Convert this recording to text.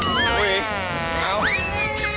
ลูกเสียด้วยเนี่ย